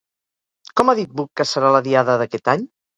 Com ha dit Buch que serà la Diada d'aquest any?